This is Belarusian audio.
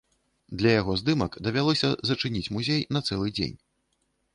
Для яго здымак давялося зачыніць музей на цэлы дзень.